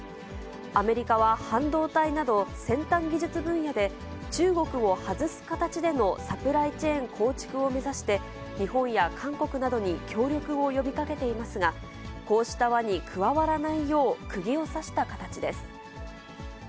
アメリカは半導体など、先端技術分野で中国を外す形でのサプライチェーン構築を目指して、日本や韓国などに協力を呼びかけていますが、こうした輪に加わらないよう、くぎを刺した形です。